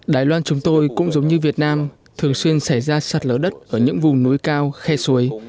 đài loan chúng tôi cũng giống như việt nam thường xuyên xảy ra sạt lở đất ở những vùng núi cao khe suối